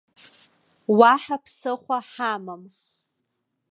Уаҳа ԥсыхәа ҳамам!